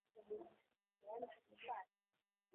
Walifanya kadri ya uwezo wao